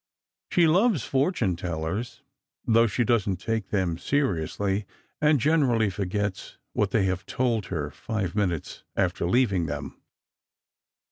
She loves fortune tellers, though she doesn't take them seriously and generally forgets what they have told her, five minutes after leaving them.